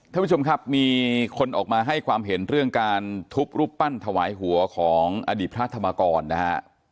ท่านผู้ชมครับมีคนออกมาให้ความเห็นเรื่องการทุบรูปปั้นถวายหัวของอดีตพระธรรมกรนะฮะ